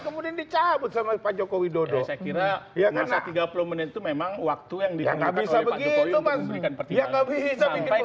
kemudian dicabut sama pak jokowi dodo saya kira ya tiga puluh menit memang waktu yang bisa begitu sampai